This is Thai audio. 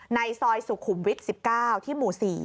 ในซอยสุขุมวิทย์๑๙ที่หมู่๔